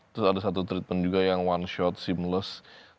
terus ada satu treatment juga yang one shot sim loss